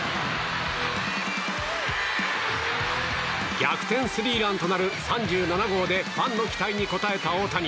逆転スリーランとなる３７号でファンの期待に応えた大谷。